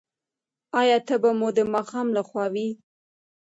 ایا تبه مو د ماښام لخوا وي؟